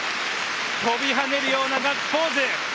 飛び跳ねるようなガッツポーズ。